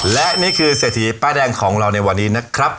และนี่คือเศรษฐีป้ายแดงของเราในวันนี้นะครับ